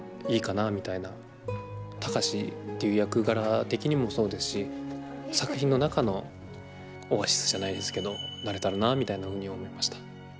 貴司っていう役柄的にもそうですし作品の中のオアシスじゃないですけどなれたらなみたいなふうに思いました。